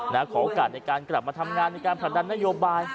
ขอโอกาสในการกลับมาทำงานในการผลักดันนโยบาย